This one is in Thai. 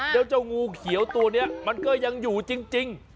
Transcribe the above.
แล้วเจ้างูเขียวตัวนี้มันก็ยังอยู่จริง